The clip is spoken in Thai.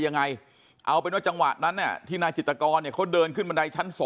ยังไงเอาเป็นว่าจังหวะนั้นที่นายจิตกรเขาเดินขึ้นบันไดชั้น๒